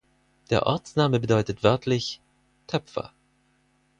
Der Ortsname bedeutet wörtlich "Töpfer".